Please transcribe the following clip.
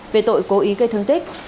về tội cố ý gây thương tích